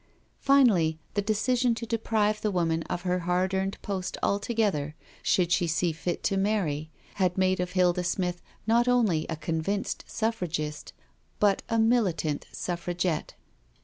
Finally, the decision to deprive the woman of her hard earned post altogether, should she see fit to marry, had made of Hilda Smith not only a convinced Suffra gist, but a militant Suffragette.